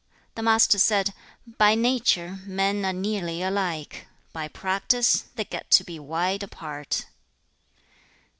The Master said, 'By nature, men are nearly alike; by practice, they get to be wide apart.'